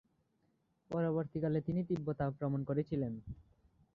পরবর্তীকালে তিনি তিব্বত আক্রমণ করেছিলেন।